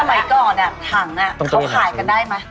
สมัยก่อนถังเขาขายกันได้ไหม